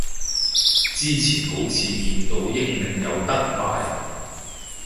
之前好似見到英領有得賣